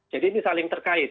jadi ini saling terkait